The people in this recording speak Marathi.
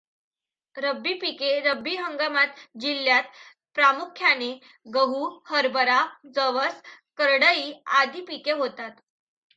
रब्बी पिके रब्बी हंगामात जिल्ह्यात प्रामुख्याने गहू, हरभरा, जवस, करडई, आदी पिके होतात.